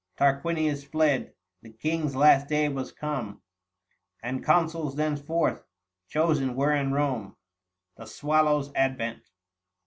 Tarquinius fled, the King's last day was come, 905 And Consuls thenceforth chosen were in Borne. THE SWALLOW'S ADVENT.